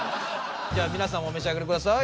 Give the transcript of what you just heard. じゃ皆さんお召し上がりください。